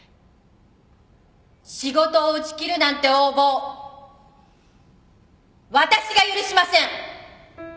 仕事を打ち切るなんて横暴私が許しません！